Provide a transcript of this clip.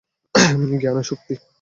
জ্ঞানই শক্তি।